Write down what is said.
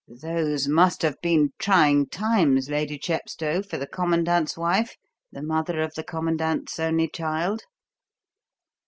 Those must have been trying times, Lady Chepstow, for the commandant's wife, the mother of the commandant's only child?"